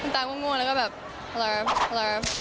ตาก็ง่วงแล้วก็แบบอะไรครับ